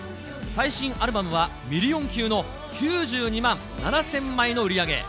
最新アルバムは、ミリオン級の９２万７０００枚の売り上げ。